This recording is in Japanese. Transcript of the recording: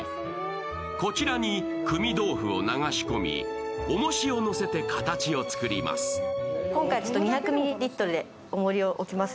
こちらにくみ豆腐を流し込みおもしを乗せて形を作ります。